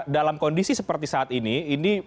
dalam kondisi seperti saat ini